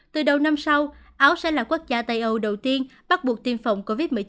từ đầu năm sau áo sẽ là quốc gia tây âu đầu tiên bắt buộc tiêm phòng covid một mươi chín